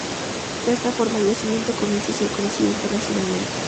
De esta forma, el yacimiento comienza a ser conocido internacionalmente.